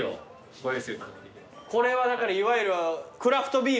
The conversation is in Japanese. これはだからいわゆるクラフトビール。